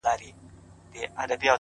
ستا سترگي دي؛